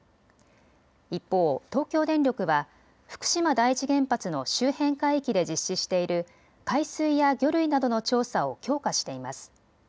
一方、東京電力は福島第一原発の周辺海域で実施している海水や魚類などの調査を強化しています。